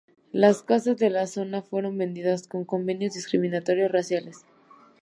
Las casas de la zona fueron vendidas con convenios discriminatorios raciales.